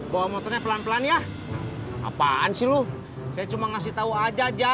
bawa motornya pelan pelan yah